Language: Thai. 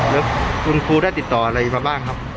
แล้วคุณครูได้ติดต่ออะไรมาบ้างครับ